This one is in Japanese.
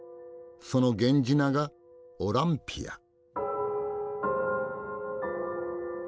その源氏名がオランピア。